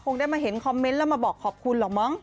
ได้มาเห็นคอมเมนต์แล้วมาบอกขอบคุณหรอกมั้ง